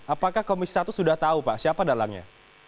apakah komisi satu sudah tahu pak siapa dalangnya